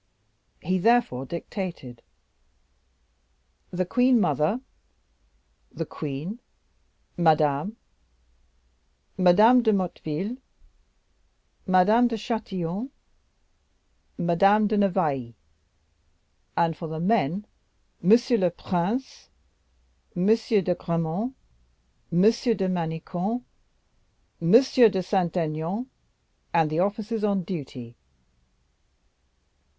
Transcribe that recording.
He therefore dictated: the queen mother, the queen, Madame, Madame de Motteville, Madame de Chatillon, Madame de Navailles; and, for the men, M. le Prince, M. de Gramont, M. de Manicamp, M. de Saint Aignan, and the officers on duty.